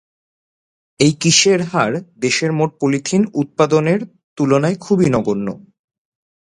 এই কিসের হার দেশের মোট পলিথিন উৎপাদনের তুলনায় খুবই নগণ্য?